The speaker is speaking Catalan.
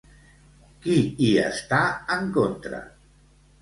Qui hi està en contra?